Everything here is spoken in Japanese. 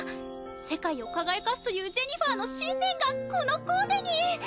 世界を輝かすというジェニファーの信念がこのコーデに！